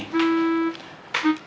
udah pusing mih